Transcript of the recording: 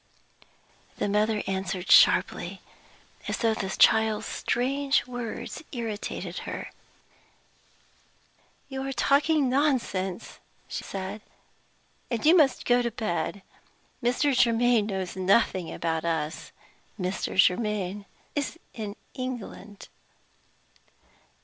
The mother answered sharply, as if the child's strange words had irritated her. "You are talking nonsense," she said; "and you must go to bed. Mr. Germaine knows nothing about us. Mr. Germaine is in England."